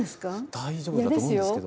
大丈夫だと思うんですけど。